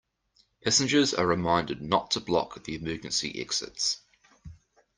Passengers are reminded not to block the emergency exits.